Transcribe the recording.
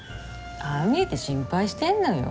ああ見えて心配してるのよ